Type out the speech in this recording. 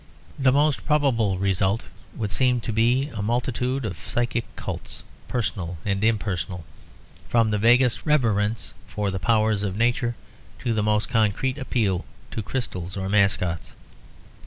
The most probable result would seem to be a multitude of psychic cults, personal and impersonal, from the vaguest reverence for the powers of nature to the most concrete appeal to crystals or mascots.